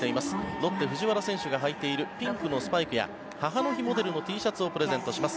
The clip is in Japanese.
ロッテ、藤原選手が履いているピンクのスパイクや母の日モデルのＴシャツをプレゼントします。